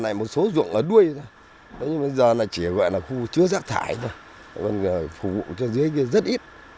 nhưng bây giờ chỉ gọi là khu chứa rác thải thôi còn phục vụ cho dưới kia rất ít